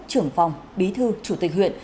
trưởng phòng bí thư chủ tịch huyện